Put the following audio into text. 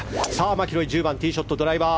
マキロイ、ティーショットドライバー。